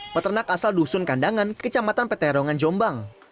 peternak asal dusun kandangan kecamatan peterongan jombang